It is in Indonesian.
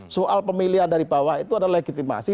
soal pemilihan dari bawah itu adalah legitimasi